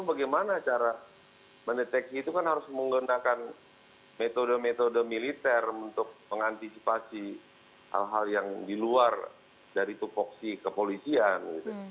bagaimana cara mendeteksi itu kan harus menggunakan metode metode militer untuk mengantisipasi hal hal yang di luar dari tupoksi kepolisian